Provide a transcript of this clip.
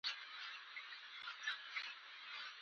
له هېواده بهر شتمني پارک شوې پيسې نه دي.